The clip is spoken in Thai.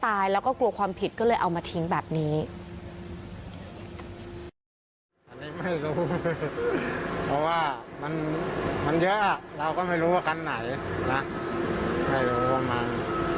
อาจจะมีการพักไว้ก่อนหรือว่าจะมีการคัดแยกเลย